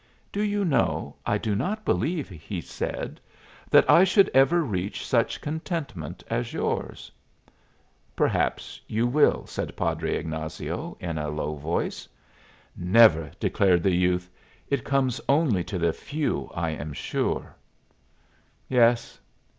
"Do you know, I do not believe," said he, "that I should ever reach such contentment as yours." "Perhaps you will," said Padre Ignazio, in a low voice. "Never!" declared the youth. "It comes only to the few, I am sure." "Yes.